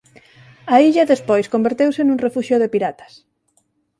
A illa despois converteuse nun refuxio de piratas.